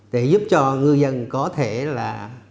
để giúp cho ngư dân có thể là